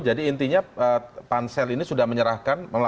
jadi intinya pan sel ini sudah menyerahkan